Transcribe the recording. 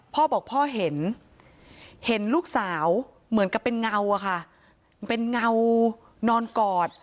พ่อบอกพ่อเห็นเห็นลูกสาวเหมือนกับเป็นเงาอะค่ะเป็นเงานอนกอด